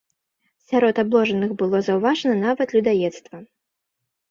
Сярод абложаных было заўважана нават людаедства.